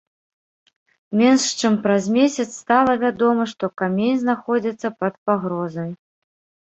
Менш чым праз месяц стала вядома, што камень знаходзіцца пад пагрозай.